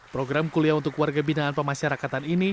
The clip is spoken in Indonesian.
program kuliah untuk warga binaan pemasyarakatan ini